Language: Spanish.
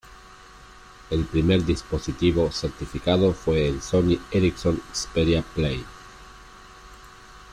El primer dispositivo certificado fue el Sony Ericsson Xperia Play.